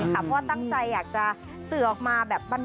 เพราะว่าตั้งใจอยากจะสื่อออกมาแบบบ้าน